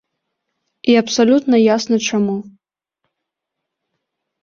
І абсалютна ясна чаму.